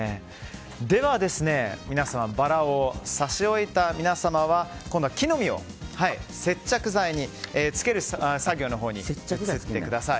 では、バラを挿し終えた皆様は今度は木の実を接着剤につける作業に移ってください。